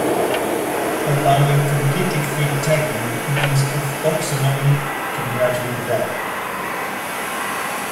Allowing completely free tagging means a folksonomy can gradually develop.